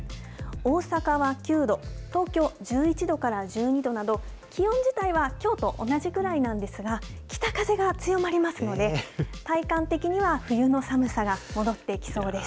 大阪は９度、東京１１度から１２度など、気温自体はきょうと同じくらいなんですが、北風が強まりますので、体感的には冬の寒さが戻ってきそうです。